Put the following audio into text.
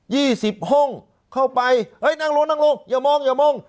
ี่สิบห้องเข้าไปเฮ้ยนั่งลงนั่งลงอย่ามองอย่ามอง